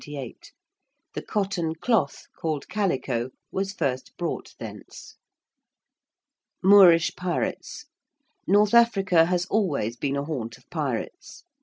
The cotton cloth called calico was first brought thence. ~Moorish pirates~: North Africa has always been a haunt of pirates.